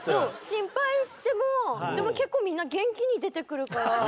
心配してもでも、結構みんな元気に出てくるから。